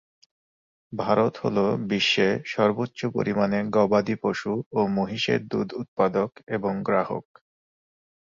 ভারত হল বিশ্বে সর্বোচ্চ পরিমাণে গবাদি পশু ও মহিষের দুধের উৎপাদক এবং গ্রাহক।